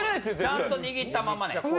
ちゃんと握ったままね。